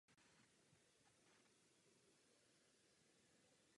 Freud.